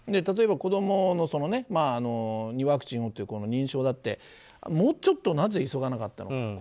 例えば子供のワクチンの認証だって、もうちょっとなぜ急がなかったのか。